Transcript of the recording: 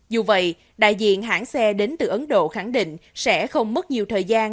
dù vậy đại diện hãng xe đến từ ấn độ khẳng định sẽ không mất nhiều thời gian